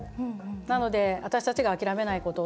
なので、私たちが諦めないこと。